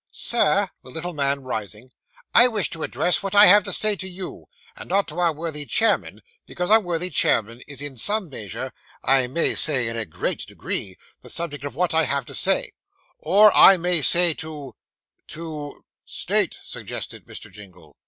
'Sir,' said the little man, rising, 'I wish to address what I have to say to you and not to our worthy chairman, because our worthy chairman is in some measure I may say in a great degree the subject of what I have to say, or I may say to to ' 'State,' suggested Mr. Jingle.